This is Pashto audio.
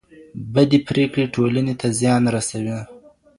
بدې پرېکړې ټولنې ته زيان رسوي.